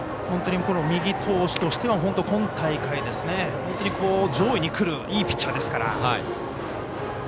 本当に右投手としては今大会本当に上位にくるいいピッチャーですから。